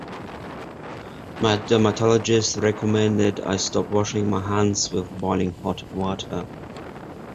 My dermatologist recommended I stop washing my hands with boiling hot water.